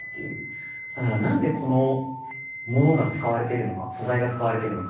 だから何でこのものが使われてるのか素材が使われてるのか。